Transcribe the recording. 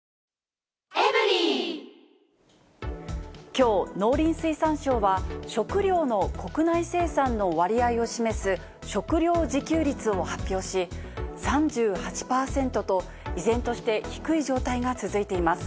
きょう、農林水産省は、食料の国内生産の割合を示す食料自給率を発表し、３８％と、依然として低い状態が続いています。